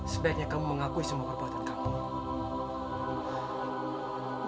sebaiknya kamu mengakui semua perbuatan kamu